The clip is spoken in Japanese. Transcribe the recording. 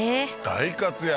大活躍